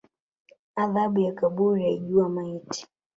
Adhabu ya kaburi aijua maiti